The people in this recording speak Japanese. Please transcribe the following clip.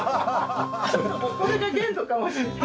ちょっともうこれが限度かもしれない。